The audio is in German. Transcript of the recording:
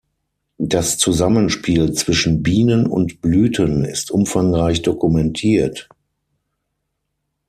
Das Zusammenspiel zwischen Bienen und Blüten ist umfangreich dokumentiert.